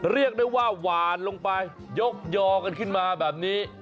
เรียกได้ว่าหวานลงไปยกยอกันขึ้นมาแบบนี้